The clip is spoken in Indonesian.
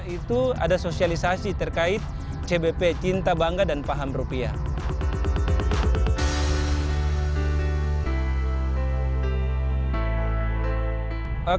itu ada sosialisasi terkait cbp cinta bangga dan paham rupiah